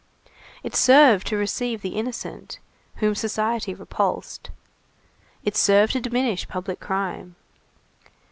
It served to receive the innocent whom society repulsed. It served to diminish public crime.